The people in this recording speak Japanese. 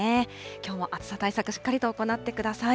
きょうも暑さ対策、しっかりと行ってください。